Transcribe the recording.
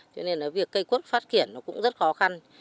cho nên là việc cây quất phát triển nó cũng rất khó khăn